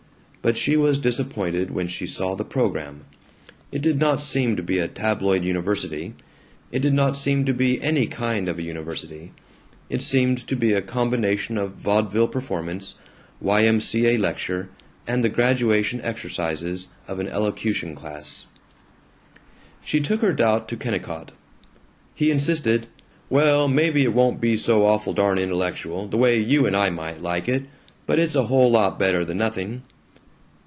But she was disappointed when she saw the program. It did not seem to be a tabloid university; it did not seem to be any kind of a university; it seemed to be a combination of vaudeville performance Y. M. C. A. lecture, and the graduation exercises of an elocution class. She took her doubt to Kennicott. He insisted, "Well, maybe it won't be so awful darn intellectual, the way you and I might like it, but it's a whole lot better than nothing."